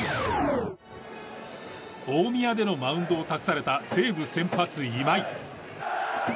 大宮でのマウンドを託された西武先発、今井。